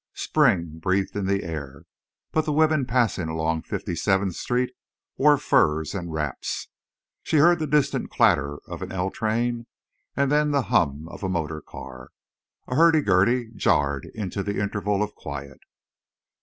Spring breathed in the air, but the women passing along Fifty seventh Street wore furs and wraps. She heard the distant clatter of an L train and then the hum of a motor car. A hurdy gurdy jarred into the interval of quiet.